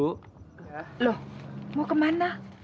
loh mau kemana